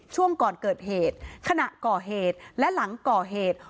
ช่วงก่อนเกิดเหตุขณะก่อเหตุและหลังก่อเหตุ